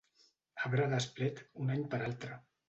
Arbre d'esplet, un any per altre.